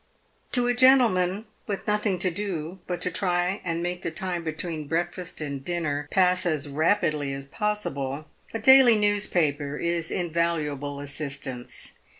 To a gentleman with nothing to do but to try and make the time between breakfast and dinner pass as rapidly as possible, a daily news paper is invaluable assistance.